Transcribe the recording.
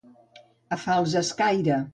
A fals escaire.